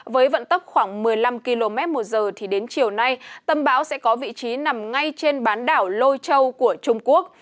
với vận tốc khoảng một mươi năm km một giờ đến chiều nay tâm bão sẽ có vị trí nằm ngay trên bán đảo lôi châu của trung quốc